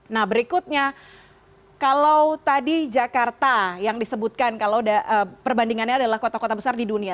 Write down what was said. nah berikutnya kalau tadi jakarta yang disebutkan kalau perbandingannya adalah kota kota besar di dunia